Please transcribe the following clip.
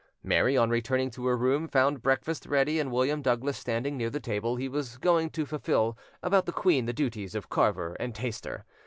Mary, on returning to her room, found breakfast ready, and William Douglas standing near the table he was going to fulfil about the queen the duties of carver and taster.